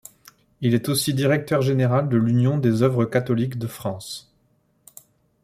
Il est aussi directeur général de l'Union des œuvres catholiques de France.